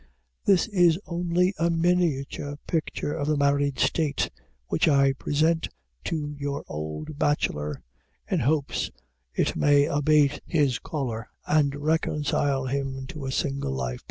This is only a miniature picture of the married state, which I present to your Old Bachelor, in hopes it may abate his choler, and reconcile him to a single life.